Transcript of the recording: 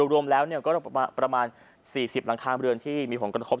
รวมแล้วก็ประมาณ๔๐หลังคาเรือนที่มีผลกระทบ